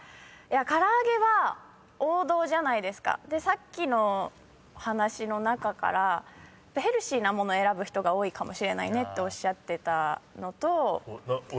「からあげ」は王道じゃないですかでさっきの話の中からヘルシーな物選ぶ人が多いかもしれないねっておっしゃってたのと。